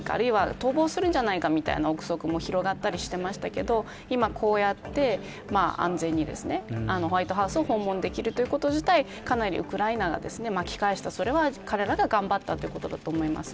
逃亡するんじゃないかという臆測も広がっていましたが今、こうやって安全にホワイトハウスを訪問できるということ自体かなりウクライナが巻き返したそれは彼らが頑張ったということだと思います。